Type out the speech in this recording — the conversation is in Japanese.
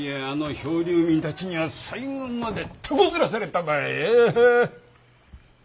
あの漂流民たちには最後までてこずらされたばい。